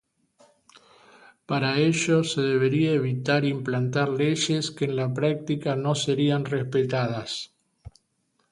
Para ello, se debería evitar implantar leyes que en la práctica no serían respetadas.